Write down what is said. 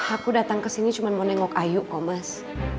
aku datang kesini cuma mau nengok ayu kok mas